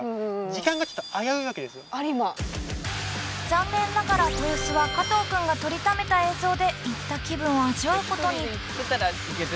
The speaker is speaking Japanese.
残念ながら豊洲は加藤くんが撮りためた映像で行った気分を味わうことに。